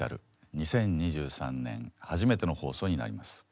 ２０２３年初めての放送になります。